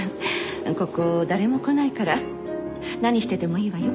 ここ誰も来ないから何しててもいいわよ。